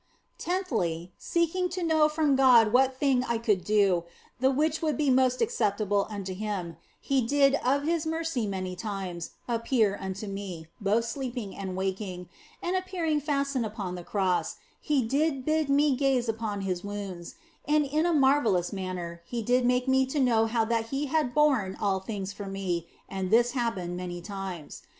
Tenthly, seeking to know from God what thing I could do, the which would be most acceptable unto Him, He did 6 THE BLESSED ANGELA of His mercy many times appear unto me, both sleeping and waking, and appearing fastened upon the Cross He did bid me gaze upon His wounds, and in a marvellous manner He did make me to know how that He had borne all things for me ; and this happened many times.